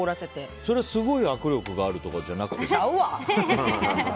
それ、すごい握力があるとかじゃなくて？ちゃうわ！